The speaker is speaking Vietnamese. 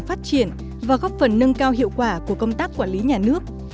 phát triển và góp phần nâng cao hiệu quả của công tác quản lý nhà nước